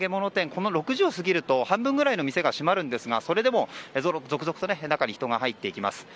この６時を過ぎると半分ぐらいの店が閉まるんですがそれでも続々と中に人が入っていきます。